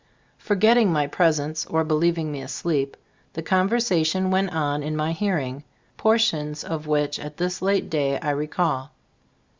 Forgetting my presence, or believing me asleep, the conversation went on in my hearing, portions of which at this late day I recall.